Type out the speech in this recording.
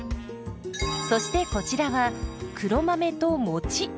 そしてこちらは黒豆ともち。